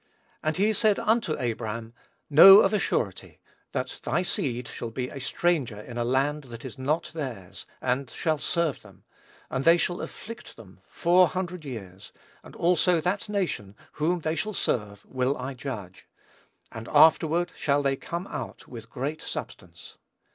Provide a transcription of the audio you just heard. And he said unto Abram, Know of a surety, that thy seed shall be a stranger in a land that is not theirs, and shall serve them; and they shall afflict them four hundred years: and also that nation, whom they shall serve, will I judge: and afterward shall they come out with great substance....